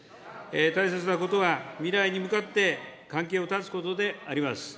大切なことは、未来に向かって関係を断つことであります。